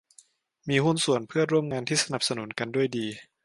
มีหุ้นส่วนเพื่อนร่วมงานที่สนับสนุนกันด้วยดี